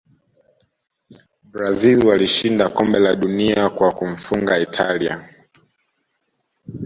brazil walishinda kombe la dunia kwa kumfunga italia